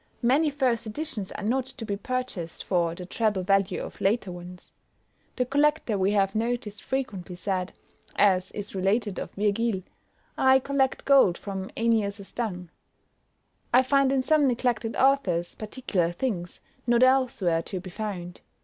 Many first editions are not to be purchased for the treble value of later ones. The collector we have noticed frequently said, as is related of Virgil, "I collect gold from Ennius's dung." I find, in some neglected authors, particular things, not elsewhere to be found.